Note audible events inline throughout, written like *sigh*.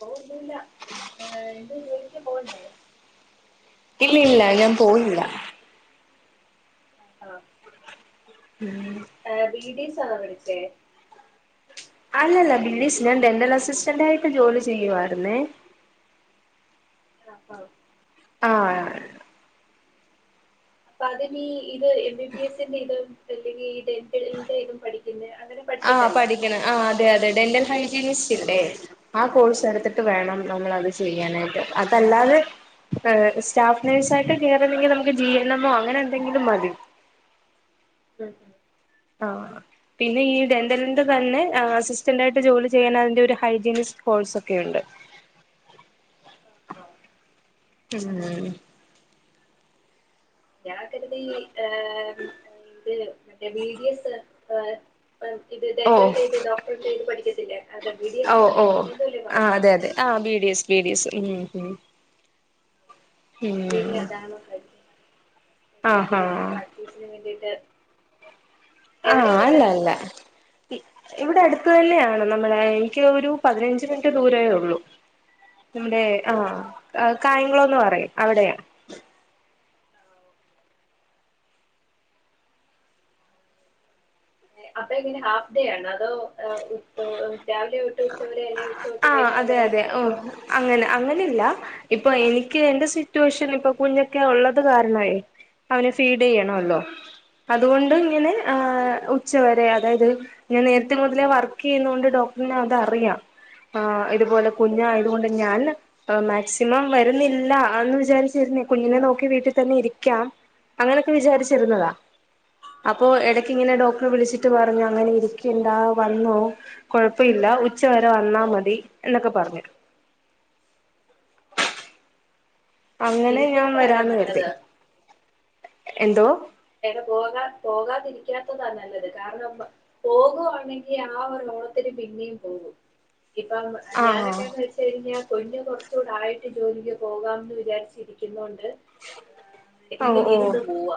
പോന്നല്ല ഏർ എന്ത ജോലിക്ക് പോവണ്ടേ ഇല്ല ഇല്ല ഞാൻ പോയിില്ല ആഹ് ആഹ ആർ ബീഡീസ് ആണോ വിളിച്ചേ അല്ലല്ല ബിനീഷ് ഞാൻ ഡെന്റൽ അസിസ്റ്റന്റ് ആയിട്ട് ജോലി ചെയ്യുുവരുന്നേ ആപ്പ ആഹ അപ്പൊ അതി നീ ഇത് എം ബി ബി എസ്ന്റെ ഇതും അല്ലെങ്കിൽ ഡെൻിന്റെ ഇതും പഠിക്കുന്ന അങ്ങനെ ആഹ് പഠിച്ചിട്ടല്ലേ പഠിക്കണം ആ അതെ അതെ ഡൽ ഹല്ല ആ കോഴ്സ് എടുത്തിട്ട് വേണം നമ്മളത് ചെയ്യാനായിട്ട് അതല്ലാതെ ് സ്റ്റാഫ് നേഴ്സ ആായിട്ട് കേയറുന്നെങ്കിൽ നമുക്ക് ജി എൻ എമോ അങ്ങനെ എന്തെങ്കിലും മതി ഉം ആ പിന്നെ ഈ രന്തലന്റെ തന്നെ അസിസ്റ്റന്റ് ആയിട്ട് ജോലി ചെയ്യാൻ അതിറെ ഒരു ഹൈജീനിസ് ഹൾസ് ഒക്കെയ ഉണ്ട് ആ ഉം ജാ കരുത ഈ ഇത് മറ്റേ മഡി എസ് ഇത് ഓഹ് ഡെന്റലില ഇത് ഡോക്ടറിന്റെ ഇത് പഠിക്കത്തില്ലേ അതെ ബി ഡി എസ്ന്ന്ന്നു അങ്ങന എന്തോല്ലോ പറയേ അത അതെ ആ എക്്പീരിയസ് ഉ അണോ കഴ അസ്റ്റന്ട്ട് ആഹാ ഇങ്ങനെ പ്രാക്ടീസിന് വേണ്ടിട്ട് ആഹ അല്ല അല്ല ഇവിടെ അടുത്ത തന്നെയാണ് നമ്മള എനിക്ക് ഒരു പതിനഞ്ച് മിനിറ്റ് ദൂരമേ ഉള്ളു ഇതിനു മുന്നേ ആഹാ ആഹ്കായംകുളംന്ന് പറയും അവിടെയാണ് ആഹ് ഓക്കെ ഓക്കെ അപ്പൊ എങ്ങനെ ഹാഫ് ഡേ ആണ് അതോ രാവിലെ തൊട്ട് ഉച്ചവരെ അല്ല ആഹ്അതെ അതെ ഓ അങ്ങനെ അങ്ങനെല്ല ഇപ്പൊ എനിക്ക് എന്റെ സിറ്റുവേഷൻ ഇപ്പൊ കുഞ്ഞൊക്കെ ഉള്ളത് കാരണമായി അവന് ഫീഡ് യ്യണല്ലോ അതുകൊണ്ട് ഇങ്ങനെ ഉച്ചവരെ അതായത് ഞാൻ നേരത്തെ മുതലേ വർക്ക് ചെയ്യുന്നൊണ്ട് ഡോ അപ്പ പിന്ന അതറിയാം ആഹ് ഇതുപോലെ കുഞ്ഞായതുകൊണ്ട് ഞാൻ മാക്സിമം വരുന്നില്ല എന്ന് വിചാരിച്ചിരുന്ന കുഞ്ഞിനെ നോക്കി വീട്ടിൽ തന്നെ ഇരിക്കാം അങ്ങനെയൊക്കെ വിചാരിച്ചിരുന്നതാ അപ്പോ ഇടക്ക് ഇങ്ങനെ ഡോക്ടറെ വിളിച്ചിട്ട് പറഞ്ഞു അങ്ങനെ ഇരിക്കണ്ടാ വന്നോ കൊഴപ്പ ഇല്ല *unintelligible* ഉച്ച വരെ വന്നാ മതി എന്നൊക്കെ പറഞ്ഞു അങ്ങനെ ഞാൻ ഇരിക്കാത്തയാടാ വരാന്ന് കരുതി എന്തോ ടെ പോകാ പോകാതിരിക്കും വിളിക്കാത്തതാ നല്ലത് കാരണം പോകുവാണെങ്കിൽ ആ ഒരു ഓണത്തിന് പിന്നെയും പോകും ഇപ്പം ആഹ് ഞാനൊക്കെന്ന് വെച്ച് കഴിഞ്ഞാൽ കുഞ്ഞ് കുറച്ചുകൂടായിട്ട് ജോലിക്ക് പോകാമെന്ന് വിചാരിച്ചിരിക്കുന്നുണ്ട് ഓ ഇങ്ങനെ ഓ ഇരുന്ന് പോവാ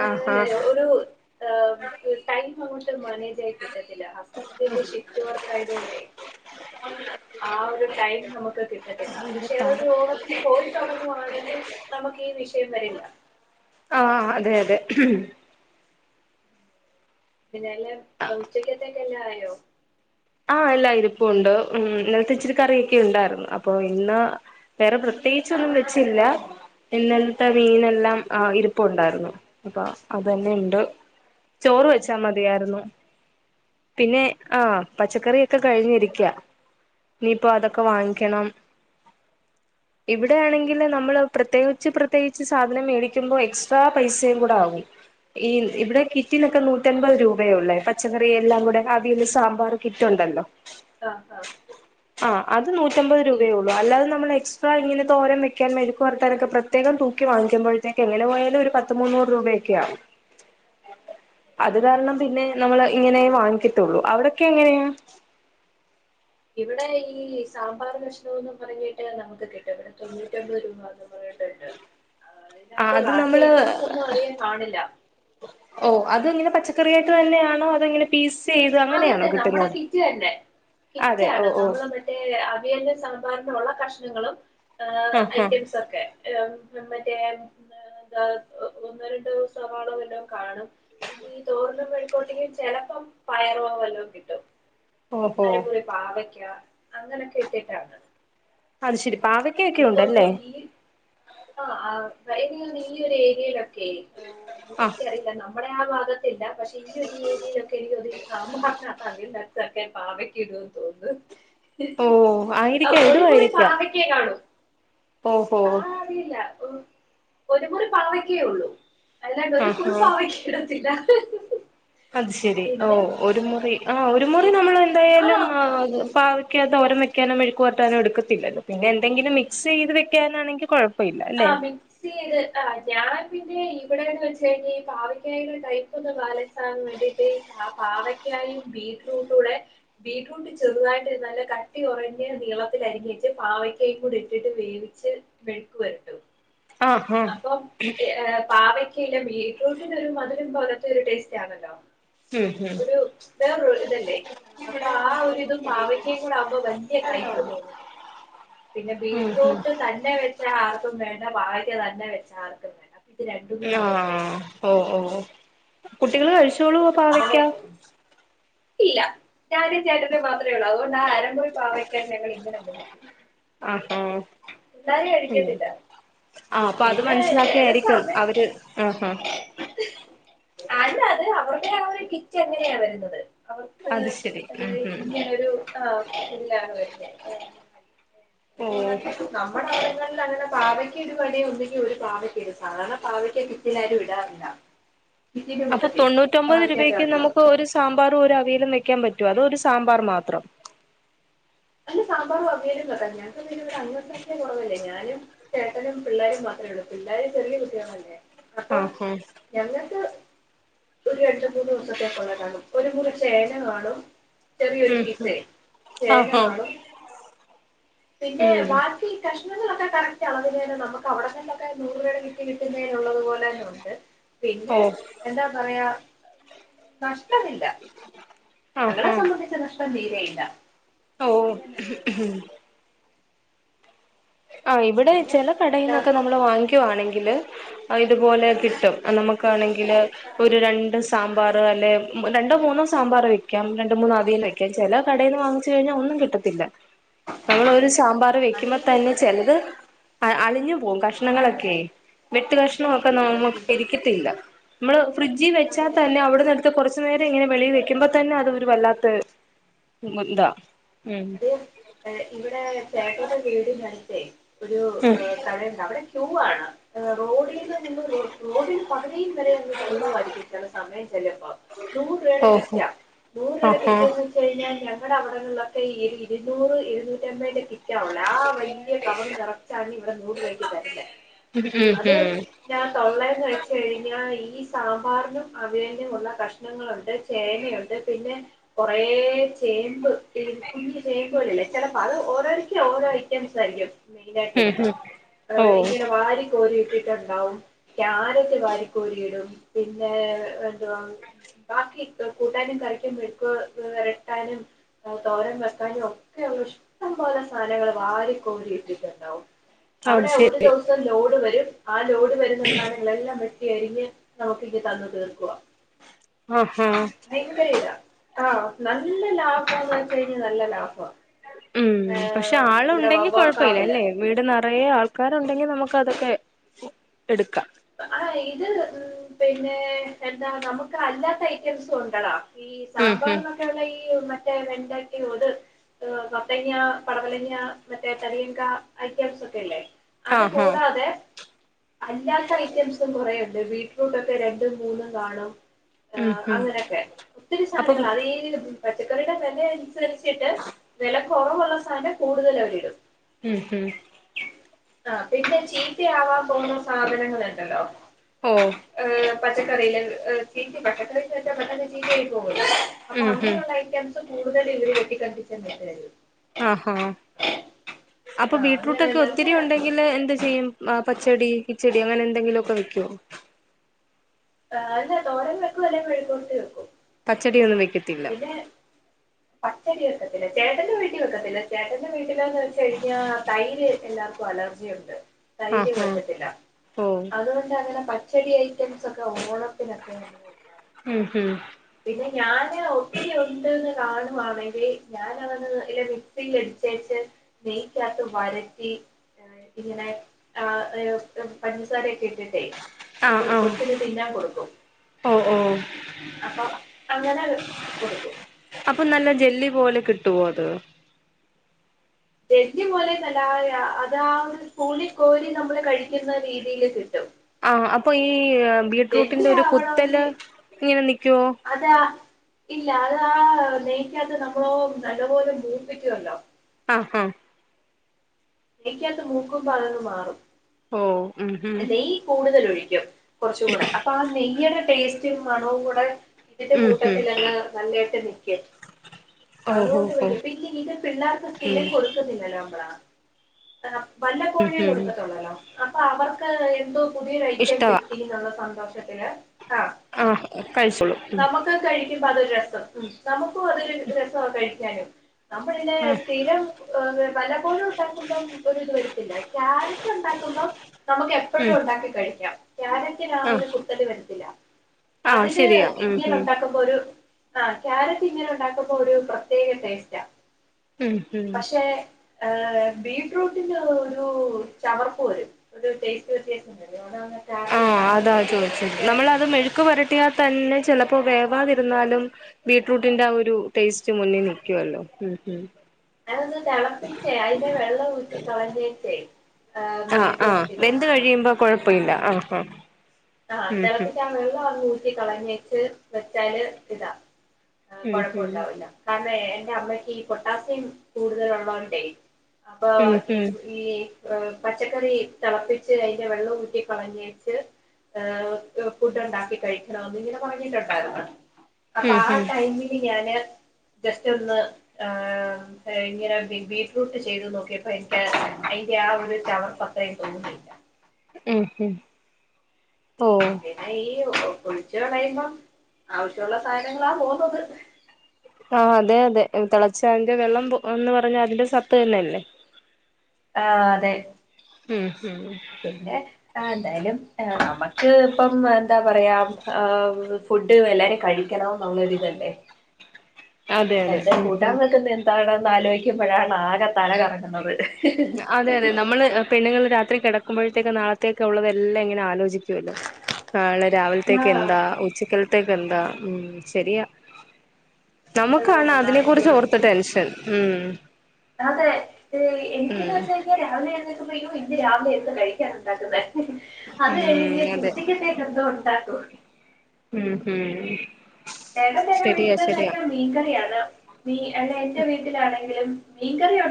ഏ ആഹ് ആഹ് ഒരു ടൈം ങ്ങട്ട് മനേ യി കിട്ടത്തില്ല ഹസ്ബൻഡിന്റെ ഷിഫ്റ്റ് വർക്ക് ആയതൊണ്ടേ ആ ഒരു ടൈം നമുക്ക് കിട്ടത്തില്ല പക്ഷെ ഇരുപത്താറ് അതൊരു ഓണത്തിന് പോയി തുടങ്ങുവാണെങ്കിൽ നമുക്ക് ഈ വിഷയം വരില്ല ആഹ് അതെ അതെ പിന്നെല്ല ഉച്ചക്കത്തേക്കെ എല്ലോ ആയോ ആഹ് എല്ലാം ഇരിപ്പുംണ്ട് ഇന്നലത്തെ ഇച്ചിരി കറിയൊക്കെ ഉണ്ടായിരുന്നു അപ്പൊ ഇന്ന് വേറെ പ്രത്യേകിച്ചൊന്നും വെച്ചില്ല ഇന്നലത്തെ മീനെല്ലാം ആ ഇരിപ്പ ണ്ടായിരുന്നു അപ്പൊ അത് തന്നെ ഉണ്ട് ചോറ് വെച്ചാ മതിയായിരുന്നു പിന്നെ ആഹ് പച്ചക്കറിയോക്കെ കഴിഞ്ഞിരിക്ക ഇനിയിപ്പോ അതൊക്കെ വാങ്ങിക്കണം *inaudible* ഇവിടെയാണെങ്കിൽ നമ്മൾ പ്രത്യേകിച്ച് പ്രത്യേകിച്ച് സാധനം മേടിക്കുമ്പോൾ എക്സ്ട്രാ പൈസയും കൂടെ ആകും ഈ ഇവിടെ കിറ്റിനൊക്കെ നൂറ്റൻമ്പത് രൂപയള്ളേ പച്ചക്കറിയ എല്ലാം കൂടെ അവിയല് സാമ്പാർ കിറ്റ്ണ്ടല്ലോ ആഹ് ആഹ് ആ അത് നൂറ്റമ്പത് രൂപയള്ളൂ അല്ലാതെ നമ്മള് എക്സ്ട്രാ ഇങ്ങനെതോരം വക്കാൻ മെഴുക്ക്പുരട്ടാനൊക്കെ പ്രത്യേക തൂക്കി വാങ്ങിക്കുമ്പഴത്തേക്ക എങ്ങനെ പോയാല ഒരു പത്ത് മുന്നൂറ് രൂപയ ക്യാ *inaudible* അത് കാരണം പിന്നെ നമ്മള് ഇങ്ങനെ വാങ്ങിക്കത്തുള്ളൂ അവിടെ ക്കെ എങ്ങനെയ ഇവിടെ ഈ സാമ്പാർ കഷ്ണമന്ന് പറഞ്ഞിട്ട് നമുക്ക് കിട്ടും ഇവിടെ തൊണ്ണൂറ്റിമ്പത് രൂപ എന്ന് പറഞ്ഞിട്ട് കിട്ടോ ആ ആഹ് അത് നമ്മള് അധികം കാണില്ല ഓ അത്ങ്ങനെ പച്ച കറിയായിട്ട് തന്നെയാണോ അതോ ഇങ്ങനെ പീസ് ചെയ്ത് അതെ അങ്ങനെയാണോ തെ കിട്ടുന്നെ നമ്മുടെ അവിടെ കിറ്റ് തന്നെ അതെ ഓ കിറ്റാണ് ഓ നമ്മള് മറ്റേ അവിയല്നും സാമ്പാറ്നും ഒ ള്ള കഷ്ണങ്ങളും ആ ഐറ്റംസ് ഒക്കെ മറ്റേ ഒന്നോ രണ്ട ദിവസ ആള വല്ലോ കാണും പിന്ന ഈ തോറിനും വെഴിക്കോട്ടും ചെിലപ്പം പയറോ വല്ലോ കിട്ടും ഓഹോ അതുപോലെ പാവ അങ്ങനൊക്കെ ഇട്ടിട്ടാണ് അത് ശരി പാവയ്ക്കൊക്കെ എനിയ്ക്കെ തോന്നു ഉണ്ടല്ലേ ഈ ആ ആയിലിനിൽ ഈ ഒരു ഏരിയാ യിലൊക്കെ ആ എനിക്കറിയില്ല നമ്മടെ ആ ഭാഗത്തൊക്കെ ഇല്ല പക്ഷെ ഈ ഒരു ഏരിയയിലൊക്കെ എനിക്ക് തോന്നുന്നു *unintelligible* സാമ്പാറിനകത്ത സർക്ക പാവക്ക ഓ ഒരു മുറി പാവയ്ക്കെ കാണും ഓ ഹോ ഒരു മുറി പാവയ്ക്കേ ഉള്ളൂ അല്ലാ ണ്ട് ഒരു ആ ഫുൾ ആ പാവയ്ക്ക ഇടത്തില്ല അത് ശരി ഓ പിന്നെ ഒരു മുറി ആ ഒരു മുറി ആഹ് നമ്മൾ എന്തായാലും ആഹ് ആ പാവയ്ക് യ്ക്ക തോരൻ വെയ്ക്കാനോ മെഴുപരട്ടാനോ എടുക്കത്തില്ലല്ലോ പിന്നെ എന്തെങ്കിലും മിക്സ് ചെയ്ത് വെക്കാനാണെങ്കിൽ കുഴപ്പം ആ മിക്സ് ചെയ്ത് ആ ഞാൻ പിന്നേയ് ഇവിടെന്നെ വെച്ചാനി ഈ പാവക്കായുടെ കൈപ്പൊന്ന് ബാലൻസ് ആകാൻ വേണ്ടിട്ട് പാവക്കായും പി ബ്റ്ററൂട്ടൂടെ ബീട്രൂട്ട് ചെറുതായിട്ടിരുന്നാലേ കട്ടി കുറഞ്ഞെ നീളത്തിലരിഞ്ഞേച്ച് പാവക് കേക്കൂടിട്ട് വേവിച്ച് മെഴുക്കെ പെരട്ടും ആ ആ അപ്പം ഏ പാവയ്ക്ക്- ക്കില്ല ബീറ്റ്റൂട്ടിനൊരു മധുരം പോലത്തെ ഒരു ടേസ്റ്റ് ആണല്ലോ ഉം ഉം ഒരു *unintelligible* വേറൊ ഇതല്ലേ അപ്പ ആ ഒരിതും പാവയ്യ്ക്കേം കൂടെ അവുമ്പം വലിയ കയപ്പ് തോന്നത്തില്ല പിന്നെ ഉം ഉം ബ്റ്ററൂട്ടെ തന്നെ വെച്ചാ ആർക്കും വേണ്ട പാവക്ക തന്നെ വെച്ചാ ആർക്കും വേണ്ട ഇത് രണ്ടും കൂടെ അങ്ങ് കൊളാബ് ആഹ ചെയ്യും ഓ ഓ ഓ കുട്ടികള് കഴിച്ച് ട്ടോളൂ അങ്ങനെ പാവയ്ക്കാ ഇല്ല ഞാനും ചേട്ടനും മാത്രേ ഉള്ളൂ അതുകൊണ്ട് ആ അരമുറി പാവക്ക ഞങ്ങൾ ഇങ്ങനെ വക്കും ആഹാ പിള്ളാരെ ഉം കഴിക്കത്തില്ല ആ അപ്പൊ അത് പിന്നെ ചെല മനസ്സിലാക്കിയായിരിക്കും സമയത്തെ അവര് ആഹാ അല്ല അതവരുടെ ആ ഒരു കിറ്റ് അ ങ്ങനെയാ വരുന്നത് അവർക്ക് അത് ശരി ഏ ഉം ഉം ഇങ്ങനൊരു ആ ഇതി ലാണ് വരുന്നേ ഓ ഇതു പോലെ തന്നെ നമ്മടവിടേം ഇതല്ല അങ്ങനെ പാവക്കിതുവരെ ഒന്നുകിൽ ഒരു പാവക്ക ഒരു സാധാരണ പാവയ്ക്ക കിറ്റിലാരും ഇടാറില്ല *inaudible* അപ്പ കൂട്ടത്തിൽ തൊണ്ണൂറ്റൊമ്പത് പാവയ്ക്ക രൂപയ്ക്ക് ചേർക്കാം നമുക്ക് ഒരു സാമ്പാറും ഒരു അവിയയിലും വെയ്ക്ക് യ്ക്കാൻ ൻ പറ്റും അതും ഒരു സാമ്പാർ മാത്രം അതിനു സാമ്പാറും അവിയലും വെക്കാം ഞാൻ ഞങ്ങക്ക് പിന്നിവിടെ *unintelligible* കുറവല്ലേ ഞാനും ചേട്ടനും പിള്ളേരും മാത്രേ ഒള്ളൂ പിള്ളാരെ തെള്ളി വീട്ടിയോണം അല്ലേ അപ്പം ആഹാ ഞങ്ങക്ക് ഒരു രണ്ട് മൂന്ന് ദിവസത്തേക്കുള്ള കാണും ഒരു മുറി ചേന കാണും ചെറിയ ഒരു ഉം പീസേ ചേന ന ആഹാ കാണും പിന്നെ ഉം ബാക്കി കഷ്ണ പ്രനങ്ങളൊക്കെ *unintelligible* അതിലേറെ നമുക്ക് അവിടെന്നൊന്നൊക്കെ നൂറ് രൂപേടെ കിറ്റ് കിട്ടുന്നേ ഉള്ളതു പോലന്നെ ഉണ്ട് ഓ പിന്നെ എന്താ പറയാ കഷ് ട്ടുന്നില്ല ഞങ്ങളെ ആഹാ സംബന്ധിച്ച് നഷ്ടം തീരെ ഇല്ല ഞാൻ ഓ ചന്തല്ലേ കൊഴതാന്നെ *unintelligible* ആ ഇവിടേം പിന്നെ ചില എന്താ കടയിൽന്നൊക്കെ നമ്മള് വാങ്ങിക്കുവാണെങ്കിൽ ങ്കിലെ ഇതുപോലെ കിട്ടും നമുക്കാണെങ്കിലെ ഒരു രണ്ട് സാമ്പാറോ അല്ലെ രണ്ടോ മൂന്നോ സാമ്പാറു വെയ് ക്കാം രണ്ടു മൂന്നവിയൽ വെയ്ക്കാം ചെല കടെന്ന് വാങ്ങിച്ചു കഴിഞ്ഞാൽ ഒന്നും കിട്ടത്തില്ല നമ്മളൊരു ഒരു സാമ്പാറു വെയ് ക്കു അത് ഈ പ്പത്തന്നെ ചെലത് അ അളിഞ്ഞു പോം കഷ്ണങ്ങളൊക്കേ വെട്ടു കഷ ണൊക്കെ നമുക്ക് ഇരിക്കത്തില്ല നമ്മള് ഫ്രിഡ്ജി അതെ വച്ചാത്തന്നെ അവിടു ന്നെടുത്ത് കുറച്ച് നേരെ ഇങ്ങനെ വെളി വെക്കുമ്പത്ത ന്നെ അതു വല്ലാത്ത ഇതാ ഉം അതെ ഏ ഇവിടെ ചേട്ടന്റെ വീടിനടുത്തെ ഒരു ഉം കടെണ്ട് അവിടെ ക്യൂ ആണ് എ റോഡീന്നെ മുമ്പേ ഒടുവിൽ പകുതീം നേര അങ്ങു ക്യൂ ആയിരിയ്ക്കും ചെല സമയം ചെല്ലുമ്പം നൂറ് രൂപയുടെ ഓഹോ കിറ്റാ നൂറു രൂപേടെ ആഹ് ആഹ് കിറ്റെന്ന് വെച്ച് കഴിഞ്ഞാൽ ഞങ്ങടെ അവിടങ്ങളിലൊക്കെ ഇത് ഇരുന്നൂറ് എഴുന്നൂറ്റമ്പതിന്റെ കിറ്റ് റ്റാ ഒള്ളെ വലിയ കവറു നിറച്ചാണ് ഇവിടെ നൂറു രൂപയ്ക്കെ തരുന്നേ ഉം ഉം അത് ഉം ഞാൻ തലേന്ന് കഴിച്ച് കഴിഞ്ഞാ ഈ സാമ്പാറിനും അവിയലിനുമുള്ള കഷ്ണങ്ങളുണ്ട് ചേനയുണ്ട് പിന്നെ കുറേചേ മ്പ് ചേമ്പ്കു ഞ്ഞു ചേമ്പുകളി ല്ലേ ചിലപ്പോ അത് ഓരോ എല്ലാം ഓരോ ഐറ്റംസ് ആയിരിക്കും മെയിൻ ആയിട്ട് ഉം ഇടുന്നെ ഉം ഓ ഇങ്ങനെ വാരി കോരി ഇട്ടിട്ടുണ്ടാവും ക്യാരറ്റ് വാരി കോരി ഇടും പിന്നെ എന്തുവ ബാക്കി കൂട്ടാനും ക റിക്കും മെഴുക്കു വിരട്ടാനും തോരം വെക്കാാനും ഒക്കെ അവ ഇഷ്ടംപോലെ സാധനങ്ങൾ വാരി കോോരി ഇട്ടിട്ടുണ്ടാവും അത് അവിടെ ഒരു ശരി ദിവസം ലോഡ് വരും ആ ലോഡ് വരുന്ന സാധനങ്ങളെല്ലാം അ രിഞ്ഞ് നമുക്കു ഇ ങ്ങു. തന്നു തീർക്കു വ ആഹാ ഭയങ്കര ഇത ആഹ നല്ല ലാഭംന്ന് വച്ച ഇത് നല്ല ലാഫമ ഉം പക്ഷെ ആൾ ഇവിടെ ഉണ്ടെങ്കി കൊഴപ്പമി ല്ല വവ്വാക്കാവില് അല്ലേ വീട് നിറയെ ആൾക്കാരുണ്ടെങ്കിൽ നമുക്ക് നമുക്കു അതൊക്കെ എടുക്കാം ആഹ ഇത് ഉ പിന്നെ എന്താ നമുക്ക് അല്ലാത്ത ഐറ്റംസും ഉണ്ടടാ ഈ ഉം ഉം സാമ്പാറിനു ഒ ക്കെയുള്ള ഈ മറ്റേ വണ്ടക്ക അ. ത് മത്തങ്ങ പടവലങ്ങ മറ്റേ എയറ്റംസ് ഒക്കെയി ല്ലേ അത് ആഹാ കൂടാതെ അല്ലാ ഐറ്റംസും കുറേഒ ണ്ട് ബീറ്റ്റൂട്ട ഒക്കെ രണ്ടും മൂന്നും കാണും ആ് ഉം ഉം അങ്ങനെയൊക്കെ ഒത്തിരി അപ്പം സാധനങ്ങൾ അത് ഈ പച്ചക്കറിയുടെ വിലയനുസരിച്ചിട്ട് വില കുറവുള്ള സാധനം കൂടുതൽ അവരി ടും ഉം ഹം ആ പിന്നെ ചീത്തയാവാൻ പോകുന്ന സാധനങ്ങൾ ഉണ്ടല്ലോ ഓ അഹ പച്ചക്കറി കല്ല ച പറ്റ കല്ല പ ചീത്തആ യി പോകുമല്ലോ അപ്പൊ ഉം ഉം അങ്ങനെയുള്ള ഐറ്റംസ് കൂടുതലും ഇവര് വെട്ട്ടി കണ്ടിച്ചതരുന്നത് ആഹഹ അപ്പൊ ആഹ് ബീറ്റ് അങ്ങനെ റൂട്ടൊക്കെ നല്ല ഒത്തിരി ഉണ്ടെങ്കില് എന്ത് ചെയ്യും പച്ചടി കിച്ചടി അങ്ങനെ എന്തെങ്കിലുമൊ ക്കെ വെക്കോ ആ അല്ലാ തോരൻ വെക്കും മെഴുക് വിരട്ടി വെക്കും പച്ചടി ഒ ന്നും വെക്കത്തില്ല പപച്ചടി വെക്കത്തില്ല ചേട്ടന്റെ വീട്ടിൽ വെക്കത്തില്ല ചേട്ടന്റെ വീട്ടിൽ എ ന്ന് വച്ചച്ച് കഴിഞ്ഞാ തൈര് എല്ലാർക്കും അലർജിഒ ണ്ട് തൈര് ആഹാ പറ്റത്തില്ല ഓ അതുകൊണ്ട് അങ്ങനെ പ ച്ചെടി ഐറ്റംസ് ഒക്കെ ഓണത്തിനൊക്കെ നമുക്ക് ക്കാം ഉം ഹം പിന്നെ ഞാന് ഒത്തിരി ഉണ്ടന്ന് കാണുവാണെങ്കിൽ ഞാ ൻ അതങ്ങ് ന ഇലെ മിക്സി എടുത്തു തഎടുത്ത് നെയ്ത്ത വരറ്റി ഇങ്ങനെ ആ പഞ്ചസാരയൊക്കെ ഇട്ടിട്ടേ ആഹ് ഒരു ആഹ് കൊച്ചി ന് തിന്നാൻ കൊടുക്കും ഓ ഓ അപ്പൊ അങ്ങനെ കൊടുക്കും അപ്പൊ നല്ല ജെല്ലി പിന്നെ പോലെ കിട്ടുവോ അത് ജെല്ലി പോലെന്നല്ല അതാ ഒരു കോരി കോരി നമ്മള് കഴിക്കുന്ന രീതിൽ കിട്ടും ആഹ് അപ്പൊ ഈ ബീറ്റ് ജെല്ലി റൂട്ടിന്റെ ഒരു കുത്തല് ആവണമെങ്കിൽ ഇങ്ങനെ നി ക്കുവോ അതാ ഇല്ല അത് ആ നെയ്ക്കാ ത്തു നമ്മ ളു നല്ലപോലെ മൂപ്പിക്കുമല്ലോ ആഹ് ആഹ നെയ്ക്കകത്ത് ത്തു മൂക്കുമ്പോ അതങ്ങു മാറും ഓ ഉം ഉം നെയ്യ് കൂടുതൽ ഒഴിക്കും കുറച്ചും കൂടെ അപ്പൊ ആ നെയ്യുടെ ടേസ്റ്റ് മണവും കൂടെ ഇതിന്റെ ഉം ഉം കൂട്ടത്തിലു നല്ലതാ യിട്ട് നിക്കും ഓഹോ അതുകൊണ്ട് ന ഹോ ല്ലത ഇത് പിള്ളേർക്ക് ഉം സ്ഥിരം കൊടുക്കുന്നില്ലല്ലോ നമ്മള് വല്ല ഉം പോഴുമേ ഉം കൊടുക്കത്തുള്ളല്ലോ അപ്പൊ അവർക്ക് എന്തോ പുതിയ ഐറ്റം ഇഷ്ടവാ കിട്ടി എന്നുള്ള സന്തോഷത്തില ആഹ കഴിച്ചോളും ഉം പ്പ് അതൊരു രസം ഉം നമുക്കും അതൊരു രസ കഴിക്കാന് നമ്മള് പിന്നെ ആഹ് സ്ഥിരം വല്ലപ്പോഴും ഉണ്ടാക്കുമ്പം ഒരുത് വരത്തില്ല *unintelligible* *unintelligible* ഉണ്ടാക്കുമ്പോ നമുക്ക് എപ്പഴും ഉം ഉണ്ടാക്കി കഴിക്കാം കാരറ്റിന് ആ ഒരു ആഹ് കുത്തല് വരത്തില്ല ആഹ് അതില് ശരിയാ ഉം ഉം ഇന്ത്യനുണ്ടാക്കുമ്പോരു ആ ക്യാരറ്റ് ഇങ്ങനെ ഉണ്ടാക്കുമ്പൊരു പ്രത്യേക ടേസ്റ്റ ഉം ഉം ആ ബീറ്റ്റൂട്ടിന്റെ ഒരു ചവർപ്പ് വരും ഒരു ടേസ്റ്റ് വ്യത്യാസം വെരും അതാണ് ആ അതാ ചോയിച്ചെ നമ്മളത് മെഴുക്ക് പൊരട്ടിയാത്തന്നെ ചിലപ്പോ വേവാതെ ര്ന്നാലും ബീറ്റ്റൂട്ടിന്റെ ആ ഒരു ടേസ്റ്റ് മുന്നിൽ നിക്കുവല്ലോ അതൊന്ന് തിളപ്പിച്ച് അതിന്റെ വെള്ളം ഊറ്റി കളഞ്ഞേച്ചേ ആ മെഴുക്ക് ആ പുരട്ടി വെന്ത് നോക്കിയേ കഴിയുമ്പോ കൊഴപ്പല്ല ആ ആ ആ തെളപ്പിച് ആ വെള്ളങ്ങൂറ്റി കളഞ്ഞേച്ച് വെച്ചാല് ഇതാ ഉം ഉം കൊഴപ്പണ്ടാവൂല്ല *unintelligible* എന്റെ അമ്മയ്ക്ക് ഈ പൊട്ടാസ്യം കൂടുതലുള്ളോണ്ടേ അപ്പൊ ഉം ഉം ഈ ഉം ഈ ഏ പച്ചക്കറി തെളപ്പിച്ച് അയിന്റെ വെള്ളം ഊറ്റി കളഞ്ഞിട്ട് ഫുഡ് ണ്ടാക്കി കഴിക്കണന്ന് ഇങ്ങനെ പറഞ്ഞിട്ടൊണ്ടായിരുന്നു അപ്പൊ ആ ഉം ഉം ടൈമില് ഞാന് ജസ്റ്റ് ഒന്ന് ഇങ്ങനെ ബീറ്റ്റൂട്ട് ചെയ്ത് നോക്കിയപ്പോ എനിക്ക് അയിന്റെ ആ *unintelligible* ഉം ഉം ഓഹ് *inaudible* ഒച്ചയടയുമ്പോ ആവശ്യള്ള സാധനങ്ങളാ പോന്നത് ആ അതെ അതെ തിളച്ച അതിന്റെ വെള്ളം ന്ന് പറഞ്ഞ അതിന്റെ സത്ത് തന്നെല്ലേ ആ അതെ ഉം പിന്നെ എന്തായാലും നമുക്ക് ഇപ്പം എന്താ പറയാ ഫുഡ് എല്ലാരും കഴിക്കണംന്നുള്ളരിതല്ലേ അതെ അതെ എന്താ ഉം ഉം കൂട്ടാവെക്ക്ന്നത് എന്താണെന്നാലോചിക്കുമ്പളാണ് ആകെ തല കറങ്ങുന്നത് അതെ അതെ നമ്മള് പെണ്ണുങ്ങള് രാത്രി കെടക്കുമ്പോഴത്തേക്ക് നാളത്തേക്കൊള്ളത് എല്ലാംങ്ങനെ ആലോചി ക്കൊല്ലോ നാളെ ആ രാവിലത്തേക്ക് എന്താ ഉച്ച ത്തേക്കെന്താ ഉം ശെരിയാ നമുക്കാണ് അതിനെ കുറിച്ച് ഓർത്ത് എനിക്ക് ടെൻഷൻ ഉം അതെ എനിക്ക് ന്ന് ഉം വെച്ച രാവിലെ എഴുന്നേ ഇന്ന് രാവിലെ എന്താ കഴിക്കാനുണ്ടാക്കുന്നേ അത് കഴിഞ്ഞ് ഉം അതെ ഉച്ചത്തേക്ക് എന്ത് ഉണ്ടാക്കും ഉം ഉം *unintelligible* ശരിയാ വീട്ടിലെന്ന് ശരിയാ വെച്ചാ മീൻകറിയാണ് മീ അ എന്റെ വീട്ടിലാണെങ്കിലും മീൻ കറി ഒട്ട്